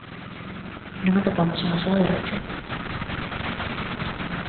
Non atopamos unha soa de recheo.